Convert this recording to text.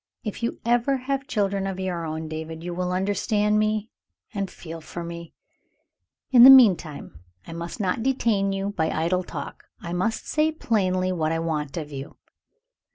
If you ever have children of your own, David, you will understand me and feel for me. In the meantime, I must not detain you by idle talk I must say plainly what I want of you."